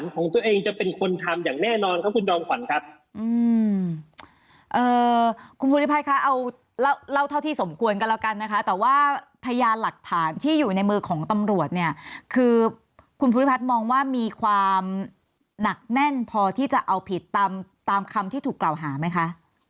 คุณภูติพัดคะเล่าเท่าที่สมควรกันแล้วกันนะคะแต่ว่าพยานหลักฐานที่อยู่ในมือของตำรวจคือคุณภูติพัดมองว่ามีความหนักแน่นพอที่จะเอาผิดตามคำที่ถูกกล่าวหาไหมคะ